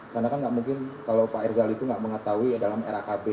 karena kan nggak mungkin kalau pak rizal itu nggak mengetahui dalam rakb